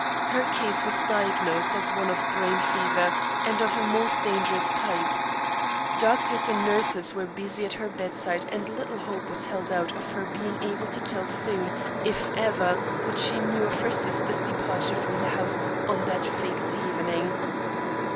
Her case was diagnosed as one of brain fever and of a most dangerous type. Doctors and nurses were busy at her bedside and little hope was held out of her being able to tell soon, if ever, what she knew of her sister's departure from the house on that fatal evening.